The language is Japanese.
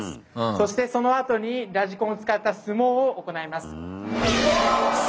そしてそのあとにラジコンを使った相撲を行います。